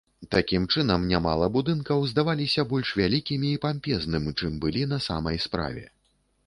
Такім чынам нямала будынкаў здаваліся больш вялікімі і пампезным, чым былі на самай справе.